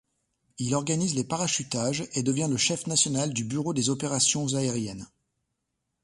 Il organise les parachutages, et devient le chef national du Bureau des Opérations Aériennes.